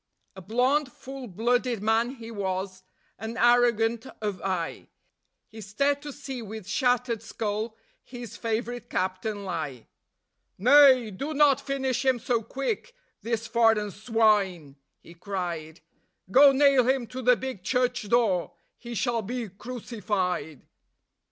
A blonde, full blooded man he was, and arrogant of eye; He stared to see with shattered skull his favourite Captain lie. "Nay, do not finish him so quick, this foreign swine," he cried; "Go nail him to the big church door: he shall be crucified."